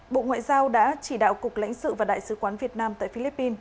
bộ ngoại giao đã chỉ đạo cục lãnh sự và đại sứ quán việt nam tại philippines